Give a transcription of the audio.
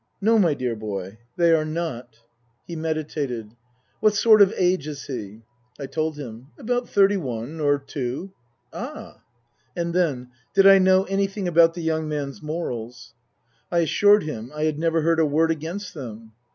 " No, my dear boy, they are not." 7 98 Tasker Jevons He meditated. " What sort of age is he ?" I told him, " About thirty one or two." " Ah !" And then : Did I know anything about the young man's morals ? I assured him I had never heard a word against them.